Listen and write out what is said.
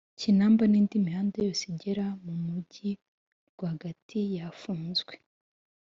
Kinamba n’indi mihanda yose igera mu mujyi rwagati yafunzwe